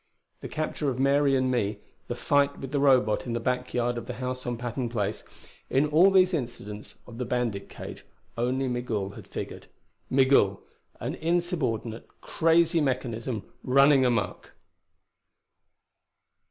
The capture of Mary and me, the fight with the Robot in the back yard of the house on Patton Place in all these incidents of the bandit cage, only Migul had figured. Migul an insubordinate, crazy mechanism running amuck.